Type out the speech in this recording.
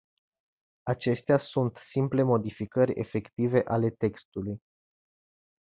Acestea sunt simple modificări efective ale textului.